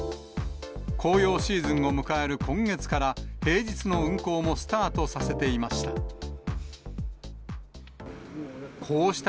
紅葉シーズンを迎える今月から、平日の運行もスタートさせていました。